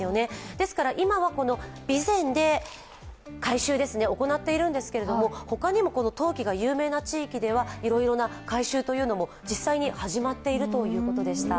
ですから今は備前で回収を行っているんですが、ほかにも陶器が有名な地域ではいろいろな回収というのも実際に始まっているということでした。